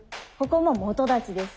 ここも基立ちです。